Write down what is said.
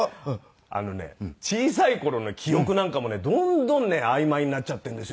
あのね小さい頃の記憶なんかもねどんどんね曖昧になっちゃってるんですよね。